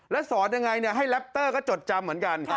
แล้วสอนยังไงให้แรปเตอร์ก็จดจำเหมือนกัน